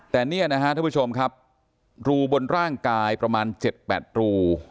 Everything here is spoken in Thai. แต่เนี่ยนะฮะท่านผู้ชมครับรูบนร่างกายประมาณ๗๘รู